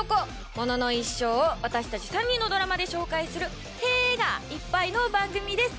モノの一生を私たち３人のドラマで紹介する「へえ」がいっぱいの番組です！